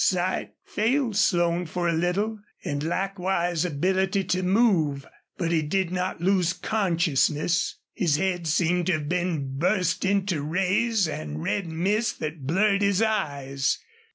Sight failed Slone for a little, and likewise ability to move. But he did not lose consciousness. His head seemed to have been burst into rays and red mist that blurred his eyes.